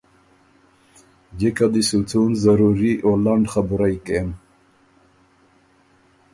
جِکه دی سُو څُون ضروري او لنډ خبُرئ کېم